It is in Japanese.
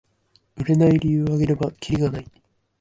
売れない理由をあげればキリがない